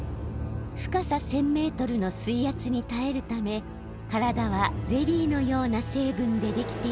深さ１，０００メートルの水圧にたえるためからだはゼリーのような成分でできています。